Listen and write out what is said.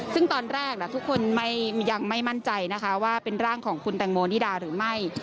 ซึ่งตอนแรกทุกคนยังไม่มั่นใจนะคะว่าเป็นร่างของคุณแตงโมนิดาหรือไม่